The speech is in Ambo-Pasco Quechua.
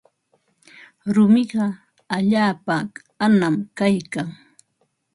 Rumiqa allaapa anam kaykan.